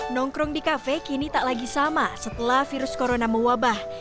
nongkrong di kafe kini tak lagi sama setelah virus corona mewabah